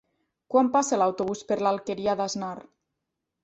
Quan passa l'autobús per l'Alqueria d'Asnar?